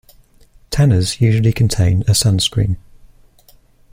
Tanners usually contain a sunscreen.